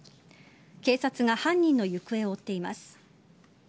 警察が犯人の行方を追っています。